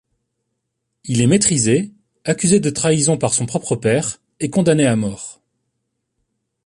Il est maîtrisé, accusé de trahison par son propre père et condamné à mort.